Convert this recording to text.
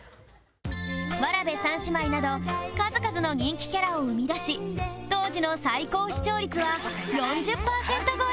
わらべ３姉妹など数々の人気キャラを生み出し当時の最高視聴率は４０パーセント超え！